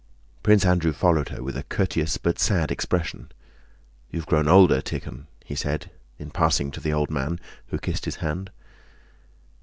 Prince Andrew followed her with a courteous but sad expression. "You've grown older, Tíkhon," he said in passing to the old man, who kissed his hand.